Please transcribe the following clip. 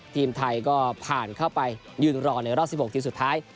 ทีมไทยก็ผ่านเข้าไปยืนรอในรอบ๑๖ทีมสุดท้าย